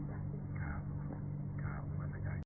ครับ